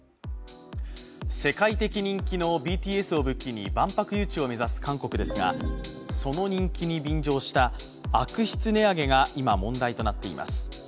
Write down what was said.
世界的人気のＢＴＳを武器に万博誘致を目指す韓国ですが、その人気に便乗した悪質値上げが今、問題となっています。